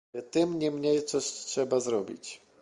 Tym niemniej coś trzeba zrobić